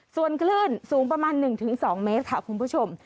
ส่วนคลื่นสูงประมาณ๑๒เมตรค่ะคุณผู้ชม